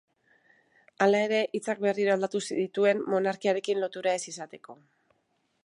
Hala ere hitzak berriro aldatu zituen monarkiarekin lotura ez izateko.